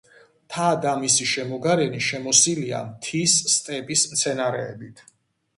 მთა და მისი შემოგარენი შემოსილია მთის სტეპის მცენარეებით.